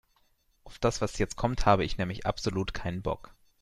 Auf das, was jetzt kommt, habe ich nämlich absolut keinen Bock.